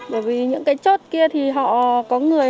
bởi vì những cái chốt kia thì họ có người